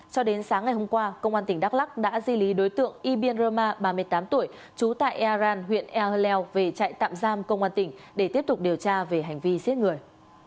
cho đến sáng ngày hôm qua công an tỉnh đắk lắc đã di lý đối tượng ybin roma ba mươi tám tuổi trú tại earan huyện ehalel về chạy tạm giam công an tỉnh để tiếp tục điều tra về hành vi giết người